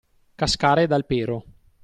Cascare dal pero.